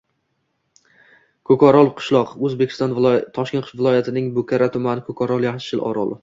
Ko‘korol – qishloq, Toshkent viloyatining Bo‘ka tumani. Ko‘korol – yashil orol.